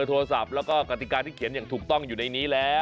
โทรศัพท์แล้วก็กติกาที่เขียนอย่างถูกต้องอยู่ในนี้แล้ว